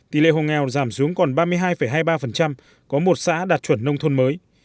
tỷ lệ hồ nghèo giảm xuống còn ba mươi hai hai mươi ba có một xã đạt chuẩn nông thôn mới